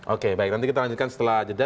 oke baik nanti kita lanjutkan setelah jeda